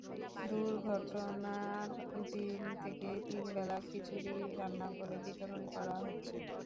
দুর্ঘটনার দিন থেকেই তিন বেলা খিচুড়ি রান্না করে বিতরণ করা হচ্ছে।